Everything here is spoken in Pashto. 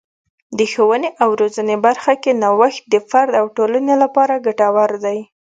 د ښوونې او روزنې برخه کې نوښت د فرد او ټولنې لپاره ګټور دی.